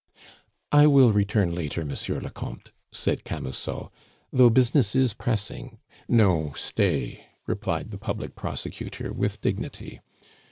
"I will return later, Monsieur le Comte," said Camusot. "Though business is pressing " "No, stay," replied the public prosecutor with dignity.